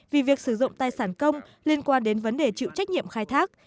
vì việc sử dụng tài sản công liên quan đến vấn đề chịu trách nhiệm khai thác